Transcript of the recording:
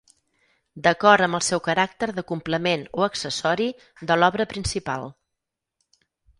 D’acord amb el seu caràcter de complement o accessori de l’obra principal.